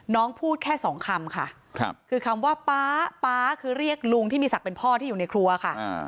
น้องพูดแค่สองคำค่ะคือคำว่าป๊าป๊าคือเรียกลุงที่มีศักดิ์เป็นพ่อที่อยู่ในครัวค่ะ